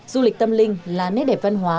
du lịch tâm linh là nét đẹp văn hóa